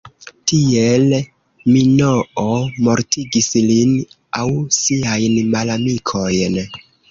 Tiel Minoo mortigis lin aŭ siajn malamikojn.